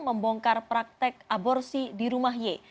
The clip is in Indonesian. membongkar praktek aborsi di rumah y